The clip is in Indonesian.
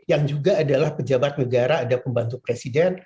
yang juga adalah pejabat negara ada pembantu presiden